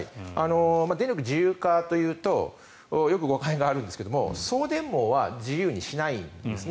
電力自由化というとよく誤解があるんですが送電網は自由にしないんです。